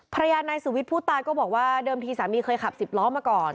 ภรรยานายสุวิทย์ผู้ตายก็บอกว่าเดิมทีสามีเคยขับสิบล้อมาก่อน